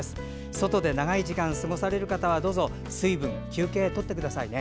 外で長い時間、過ごされる方は水分、休憩とってくださいね。